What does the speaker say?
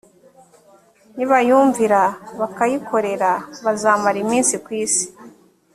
nibayumvira bakayikorera bazamara iminsi ku isi